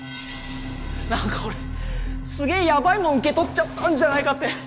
なんか俺すげえやばいもん受け取っちゃったんじゃないかって。